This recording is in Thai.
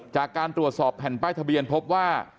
จากการตรวจสอบแผ่นป้ายทะเบียนพบว่า